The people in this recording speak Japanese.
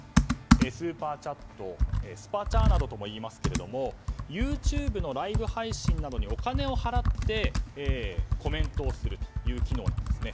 スーパーチャットスパチャなどとも言いますがＹｏｕＴｕｂｅのライブ配信などにお金を払ってコメントをするという機能なんですね。